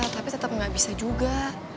tapi tetep gak bisa juga